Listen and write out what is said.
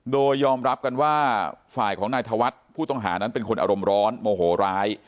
โดยยอมรับกันว่าฝ่ายของนายธวัฒน์ผู้ต้องหานั้นเป็นคนอารมณ์ร้อนโมโหร้าย